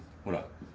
ほら。